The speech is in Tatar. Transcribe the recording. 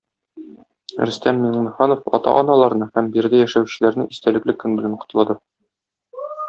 Рөстәм Миңнеханов ата-аналарны һәм биредә яшәүчеләрне истәлекле көн белән котлады.